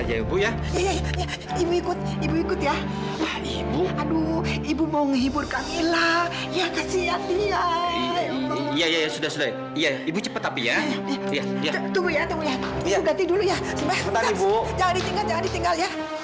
ini kan fadil